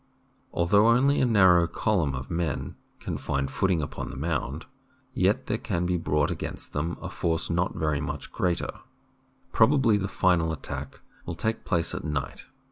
Although only a narrow column of men can find footing upon the mound, yet there can be brought against them a force not very much greater. Probably the final attack will take place at night.